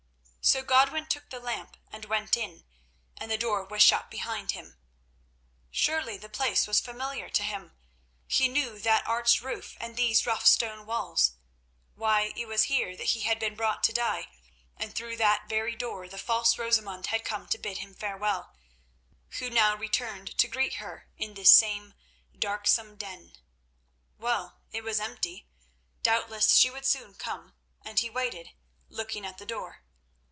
So Godwin took the lamp and went in, and the door was shut behind him. Surely the place was familiar to him? He knew that arched roof and these rough, stone walls. Why, it was here that he had been brought to die, and through that very door the false Rosamund had come to bid him farewell, who now returned to greet her in this same darksome den. Well, it was empty—doubtless she would soon come, and he waited, looking at the door.